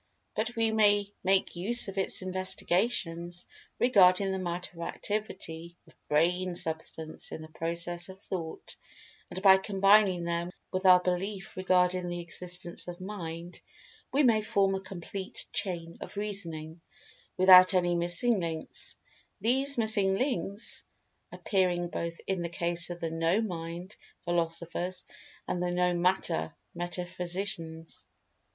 But we may make use of its investigations regarding the matter of Activity of Brain substance in the process of Thought, and by combining them with our belief regarding the existence of Mind we may form a complete chain of reasoning, without any missing links—these missing links appearing both in the case of the "no mind" philosophers, and the "no matter" metaphysicians.